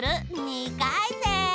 ２かいせん！